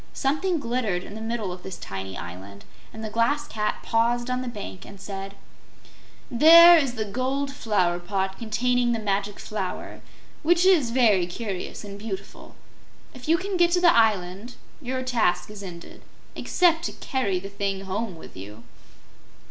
Something glittered in the middle of this tiny island, and the Glass Cat paused on the bank and said: "There is the gold flower pot containing the Magic Flower, which is very curious and beautiful. If you can get to the island, your task is ended except to carry the thing home with you."